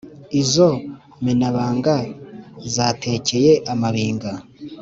Izo menabanga zatekeye amabinga